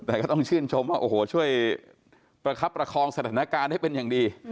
แต่ก็ต้องชื่นชมว่าโอ้โหช่วยประคับประคองสถานการณ์ให้เป็นอย่างดี